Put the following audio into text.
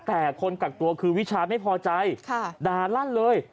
แต่คนกักตัวคือวิชาไม่พอใจด่าลั่นเลย